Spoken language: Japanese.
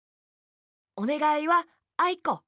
おねがいは「あいこ」。